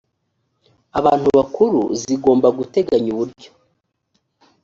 abantu bakuru zigomba guteganya uburyo